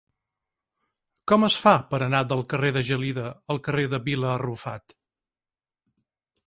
Com es fa per anar del carrer de Gelida al carrer de Vila Arrufat?